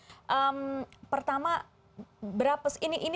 terima kasih sudah mau hadir malam hari ini